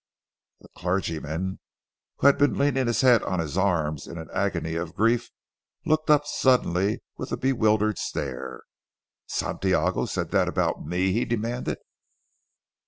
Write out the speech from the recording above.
The clergyman, who had been leaning his head on his arms in an agony of grief, looked up suddenly with a bewildered stare. "Santiago said that about me?" he demanded.